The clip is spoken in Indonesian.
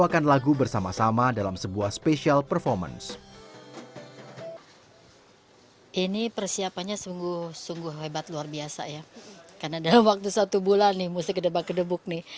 karena dalam waktu satu bulan musik kedebak kedebuk nih